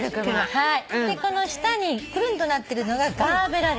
この下にくるんとなってるのがガーベラです。